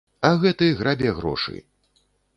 А гэты грабе грошы.